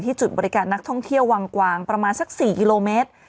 จุดบริการนักท่องเที่ยววังกวางประมาณสัก๔กิโลเมตร